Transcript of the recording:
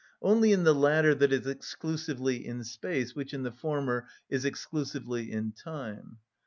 Only in the latter that is exclusively in space which in the former is exclusively in time.